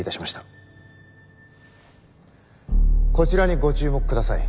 こちらにご注目ください。